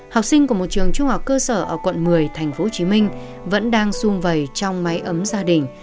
học sinh của một trường trung học cơ sở ở quận một mươi tp hcm vẫn đang sung vầy trong máy ấm gia đình